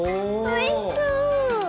おいしそう！